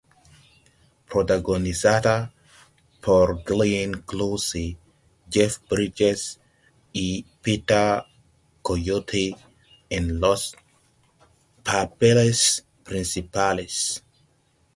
Protagonizada por Glenn Close, Jeff Bridges y Peter Coyote en los papeles principales.